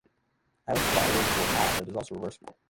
I also bought a really cool hat, that is also reversible.